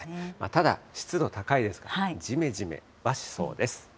ただ、湿度高いですから、じめじめはしそうです。